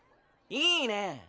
いいね。